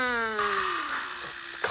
そっちか。